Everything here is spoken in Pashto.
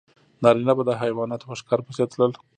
نارینه به د حیواناتو په ښکار پسې تلل.